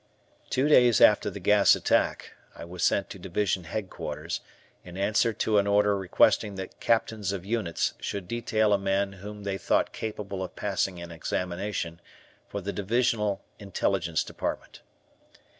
Two days after the gas attack, I was sent to Division Headquarters, in answer to an order requesting that captains of units should detail a man whom they thought capable of passing an examination for the Divisional Intelligence Department.